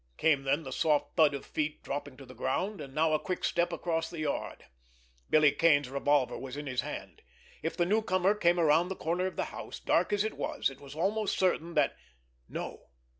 Came then the soft thud of feet dropping to the ground, and now a quick step across the yard. Billy Kane's revolver was in his hand. If the newcomer came around the corner of the house, dark as it was, it was almost certain that—no!